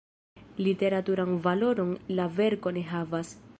Literaturan valoron la verko ne havas.